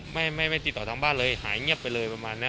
ไม่ไม่ติดต่อทางบ้านเลยหายเงียบไปเลยประมาณเนี้ย